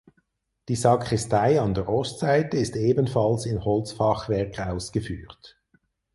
Die Sakristei an der Ostseite ist ebenfalls in Holzfachwerk ausgeführt.